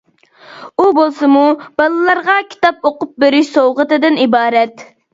ئۇ بولسىمۇ بالىلارغا كىتاب ئوقۇپ بېرىش سوۋغىتىدىن ئىبارەت.